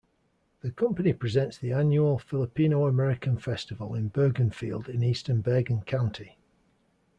The company presents the annual Filipino-American Festival in Bergenfield in eastern Bergen County.